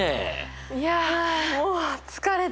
いやもう疲れた！